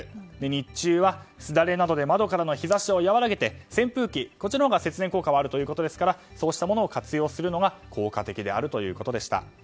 日中はすだれなどで窓からの日差しを和らげて扇風機、こちらのほうが節電効果はあるということですからそうしたものを活用するのが効果的であるということでした。